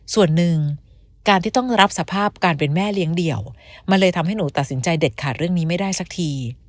ส่วนหนึ่งการที่ต้องรับสภาพการเป็นแม่เลี้ยงเดี่ยวมันเลยทำให้หนูตัดสินใจเด็ดขาดเรื่องนี้ไม่ได้สักที